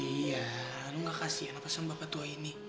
iya lu gak kasihan apa sama bapak tua ini